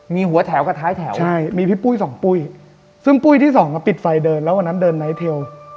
มีหัวแถวกระท้ายแถว